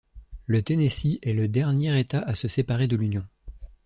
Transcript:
Le Tennessee est le dernier état à se séparer de l'Union.